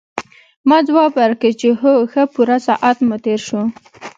ما ځواب ورکړ چې هو ښه پوره ساعت مو تېر شو.